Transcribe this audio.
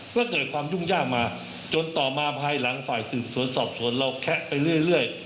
ก็เกิดความยุ่งยากมาจนต่อมาภายหลังฝ่ายสืบสวนสอบสวนเราแคะไปเรื่อย